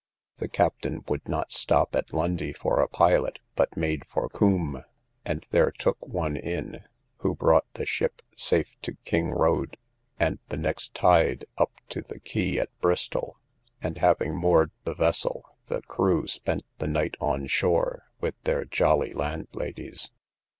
The captain would not stop at Lundy for a pilot, but made for Combe, and there took one in, who brought the ship safe to King Road, and the next tide up to the quay at Bristol; and having moored the vessel, the crew spent the night on shore with their jolly landladies.